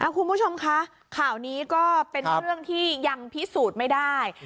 คุณผู้ชมคะข่าวนี้ก็เป็นเรื่องที่ยังพิสูจน์ไม่ได้